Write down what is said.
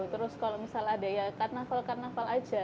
terus kalau misalnya ada ya karnaval karnaval aja